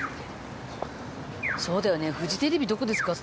そうだよねフジテレビどこですか？